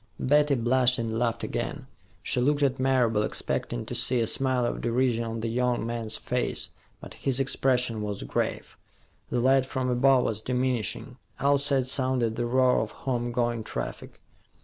Betty blushed and laughed again. She looked at Marable, expecting to see a smile of derision on the young man's face, but his expression was grave. The light from above was diminishing; outside sounded the roar of home going traffic.